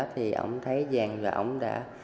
thì ổng thấy dàn và ổng đã